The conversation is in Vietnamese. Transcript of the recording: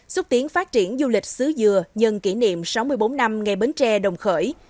xúc tiến phát triển du lịch xứ dừa nhân kỷ niệm sáu mươi bốn năm ngày bến tre đồng khởi